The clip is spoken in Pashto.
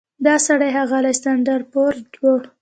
دا سړی ښاغلی سنډفورډ و.